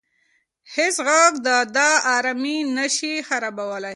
هیڅ غږ د ده ارامي نه شي خرابولی.